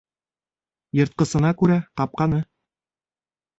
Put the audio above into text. Йыртҡысына күрә ҡапҡаны.